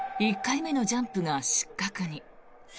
１回目のジャンプが失格に。